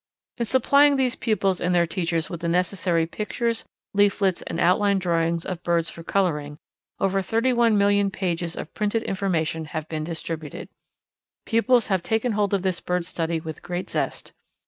In supplying these pupils and their teachers with the necessary pictures, leaflets, and outline drawings of birds for colouring, over thirty one million pages of printed information have been distributed. Pupils have taken hold of this bird study with great zest.